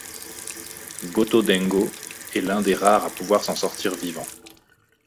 Goto Dengo est l'un des rares à pouvoir s'en sortir vivant.